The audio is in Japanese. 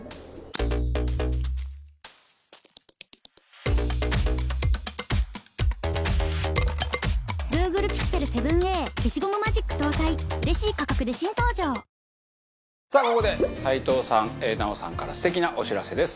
バカリズム：さあ、ここで齊藤さん、奈緒さんから素敵なお知らせです。